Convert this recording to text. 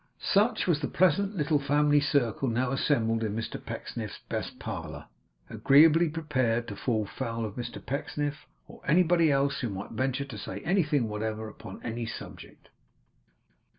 Such was the pleasant little family circle now assembled in Mr Pecksniff's best parlour, agreeably prepared to fall foul of Mr Pecksniff or anybody else who might venture to say anything whatever upon any subject.